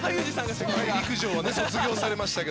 陸上は卒業されましたが。